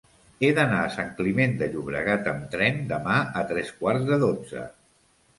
He d'anar a Sant Climent de Llobregat amb tren demà a tres quarts de dotze.